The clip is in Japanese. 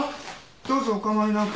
どうぞお構いなく。